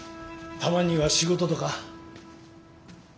たまには仕事とか？